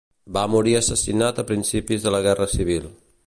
Va morir assassinat a principis de la Guerra Civil.